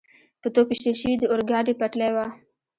په توپ ویشتل شوې د اورګاډي پټلۍ وه.